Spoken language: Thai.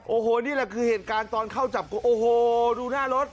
โอ้โหนี่แหละคือเหตุการณ์ตอนเข้าจับกลุ่มโอ้โหดูหน้ารถ